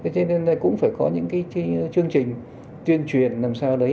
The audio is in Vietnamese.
cho nên cũng phải có những cái chương trình tuyên truyền làm sao đấy